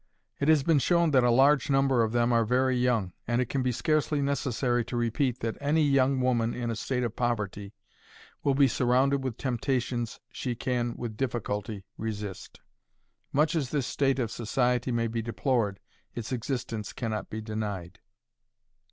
It has been shown that a large number of them are very young, and it can be scarcely necessary to repeat that any young woman in a state of poverty will be surrounded with temptations she can with difficulty resist. Much as this state of society may be deplored, its existence can not be denied.